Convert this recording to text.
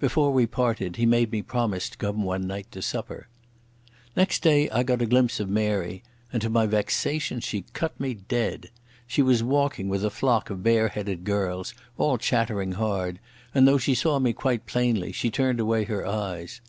Before we parted he made me promise to come one night to supper. Next day I got a glimpse of Mary, and to my vexation she cut me dead. She was walking with a flock of bare headed girls, all chattering hard, and though she saw me quite plainly she turned away her eyes.